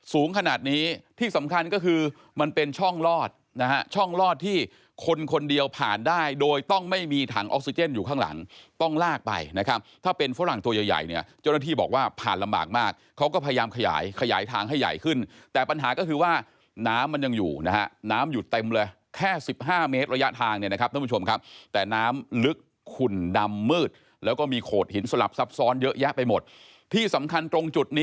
สูงขนาดนี้ที่สำคัญก็คือมันเป็นช่องลอดนะฮะช่องลอดที่คนคนเดียวผ่านได้โดยต้องไม่มีถังออกซิเจนอยู่ข้างหลังต้องลากไปนะครับถ้าเป็นฝรั่งตัวใหญ่เนี่ยเจ้าหน้าที่บอกว่าผ่านลำบากมากเขาก็พยายามขยายขยายทางให้ใหญ่ขึ้นแต่ปัญหาก็คือว่าน้ำมันยังอยู่นะฮะน้ำอยู่เต็มเลยแค่๑๕เมตรระยะทางเนี่ยนะคร